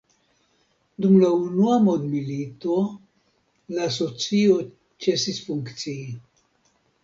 Dum la Unua Mondmilito la Asocio ĉesis funkcii.